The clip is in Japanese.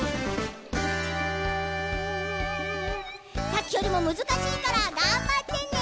さっきよりもむずかしいからがんばってね。